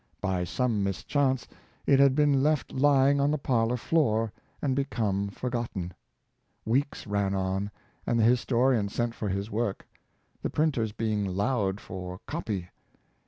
By some mischance it had been left lying on the parlor floor, and become forgotten. Weeks ran on, and the historian sent for his work, the printers being loud for " copy."